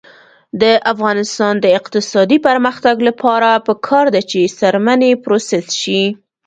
د افغانستان د اقتصادي پرمختګ لپاره پکار ده چې څرمنې پروسس شي.